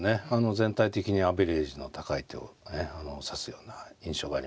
全体的にアベレージの高い手を指すような印象がありますね。